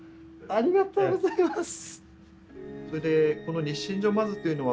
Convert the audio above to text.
ありがとうございます。